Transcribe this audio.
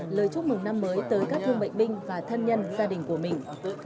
lời chúc mừng năm mới tới các thương bệnh binh và thân nhân gia đình của mình